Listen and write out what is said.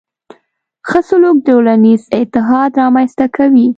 ښه سلوک ټولنیز اتحاد رامنځته کوي.